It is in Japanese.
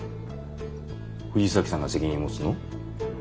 藤崎さんが責任持つの？